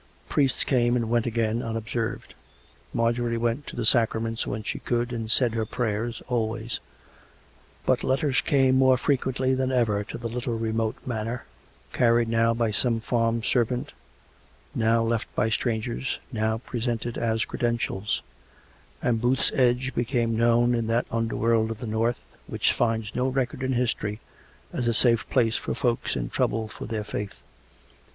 Priests came and went again unobserved; Marjorie went to the sacraments when she could, and said her prayers always. But letters came more frequently than ever to the little re mote manor, carried now by some farm servant, now left by strangers, now presented as credentials; and Booth's Edge became known in that underworld of the north, which finds no record in history, as a safe place for folks in trouble for their faith.